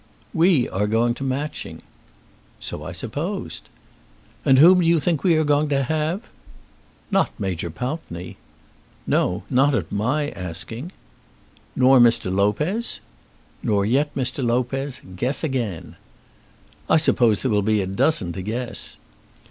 "We are going to Matching." "So I supposed." "And whom do you think we are going to have?" "Not Major Pountney?" "No; not at my asking." "Nor Mr. Lopez?" "Nor yet Mr. Lopez. Guess again." "I suppose there will be a dozen to guess."